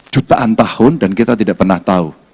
jutaan tahun dan kita tidak pernah tahu